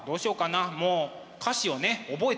もう歌詞をね覚えてないから。